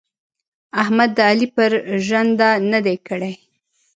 احمد د علي پر ژنده نه دي کړي.